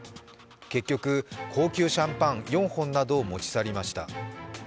結局、高級シャンパン４本などを持ち去りました。